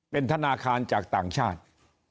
เป็นธนาคารจากต่างชาติ